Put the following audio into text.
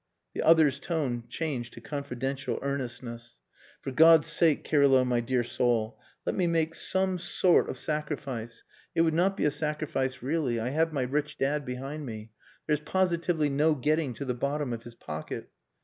The other's tone changed to confidential earnestness. "For God's sake, Kirylo, my dear soul, let me make some sort of sacrifice. It would not be a sacrifice really. I have my rich dad behind me. There's positively no getting to the bottom of his pocket."